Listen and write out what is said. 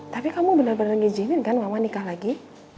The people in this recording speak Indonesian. tapi kamu bener bener ngijinin kan mama nikah lagi